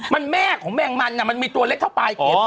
มันแม่ของแมงมันมันมีตัวเล็กเท่าปลายเข็ม